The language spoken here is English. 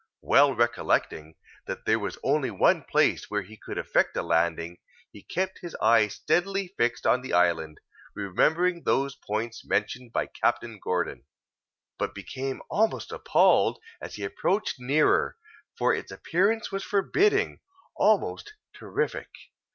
Well recollecting that there was only one place where he could effect a landing, he kept his eye steadily fixed on the island, remembering those points mentioned by Captain Gordon; but became almost appalled as he approached nearer, for its appearance was forbidding, almost terrific.